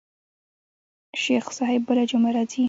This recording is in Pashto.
شيخ صاحب بله جمعه راځي.